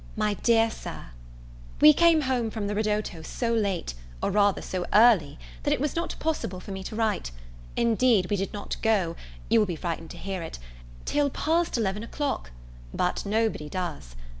My dear Sir, WE came home from the ridotto so late, or rather so early that it was not possible for me to write. Indeed, we did not go you will be frightened to hear it till past eleven o'clock: but no body does.